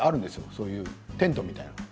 そういうテントみたいなもの。